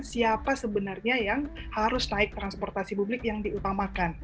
siapa sebenarnya yang harus naik transportasi publik yang diutamakan